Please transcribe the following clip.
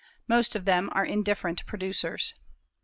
Most of them are indifferent producers.